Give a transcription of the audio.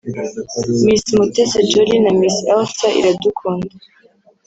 Miss Mutesi Jolly na Miss Elsa Iradukunda